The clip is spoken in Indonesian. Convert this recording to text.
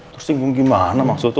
tersinggung gimana maksud lu